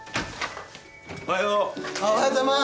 おはよう。